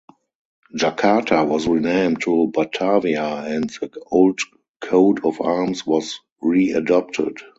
Jakarta was renamed to Batavia and the old coat of arms was readopted.